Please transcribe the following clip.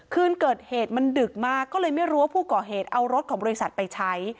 คืนเกิดเหตุมันดึกมากก็เลยไม่รู้ว่าผู้ก่อเหตุเอารถของบริษัทไปใช้